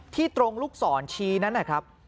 ที่ตรงลูกศรชีนั้นครับ